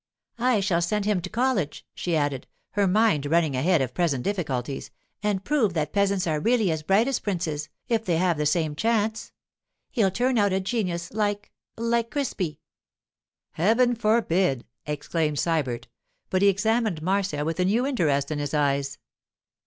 'I shall send him to college,' she added, her mind running ahead of present difficulties, 'and prove that peasants are really as bright as princes, if they have the same chance. He'll turn out a genius like—like Crispi.' 'Heaven forbid!' exclaimed Sybert, but he examined Marcia with a new interest in his eyes.